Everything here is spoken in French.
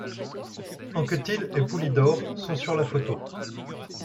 Anquetil et Poulidor sont sur la photo.